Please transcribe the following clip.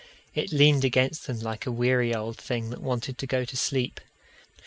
It leaned against them like a weary old thing that wanted to go to sleep.